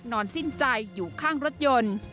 สิ้นใจอยู่ข้างรถยนต์